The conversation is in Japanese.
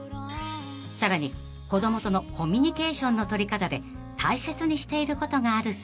［さらに子供とのコミュニケーションの取り方で大切にしていることがあるそうで］